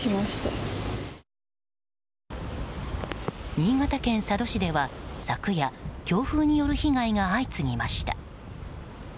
新潟県佐渡市では昨夜強風による被害が相次ぎました。